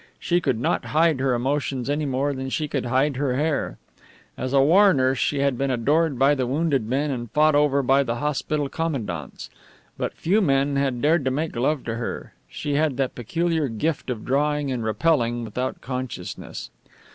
She could not hide her emotions any more than she could hide her hair. As a war nurse she had been adored by the wounded men and fought over by the hospital commandants. But few men had dared make love to her. She had that peculiar gift of drawing and repelling without consciousness.